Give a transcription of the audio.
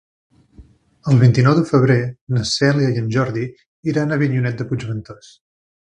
El vint-i-nou de febrer na Cèlia i en Jordi iran a Avinyonet de Puigventós.